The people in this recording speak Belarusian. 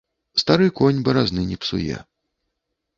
Стары конь баразны не псуе.